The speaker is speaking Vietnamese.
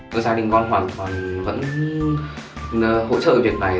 gia đình con hoàn toàn vẫn hỗ trợ việc này